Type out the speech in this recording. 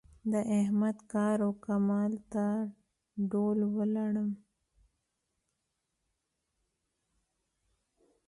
د احمد کار و کمال ته ډول ولاړم.